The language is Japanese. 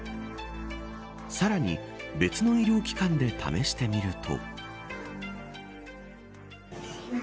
さらに別の医療機関で試してみると。